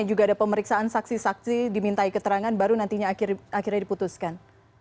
juga ada pemeriksaan saksi saksi dimintai keterangan baru nantinya akhirnya diputuskan